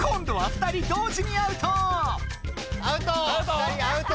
２人アウト。